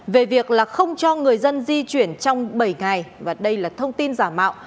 về việc là không cho người dân di chuyển trong bảy ngày và đây là thông tin giả mạo